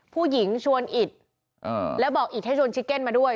ผู้หญิงชวนอิดแล้วบอกอิดให้ชวนชิเก็นมาด้วย